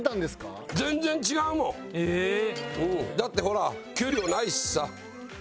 だってほら給料ないしさ。